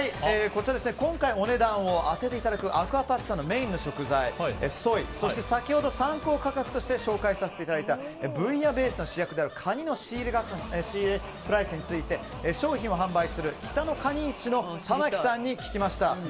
今回のお値段を当てていただくアクアパッツァのメインの食材ソイ、そして先ほど参考価格として紹介させていただいたブイヤベースの主役であるカニの仕入れプライスについて商品を販売する北のかに市の玉木さんに聞きました。